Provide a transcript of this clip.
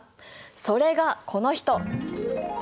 それがこの人。